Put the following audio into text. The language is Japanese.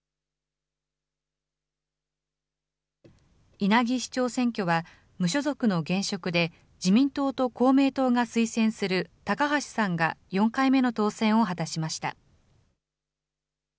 稲城市長選挙は、無所属の現職で、自民党と公明党が推薦する高橋さんが４回目の当選を果たしました。